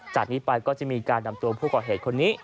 จากนี้ไปก็จะมีการนำตัวผู้ก่อเหตุคนนี้